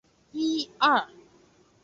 细圆藤为防己科细圆藤属下的一个种。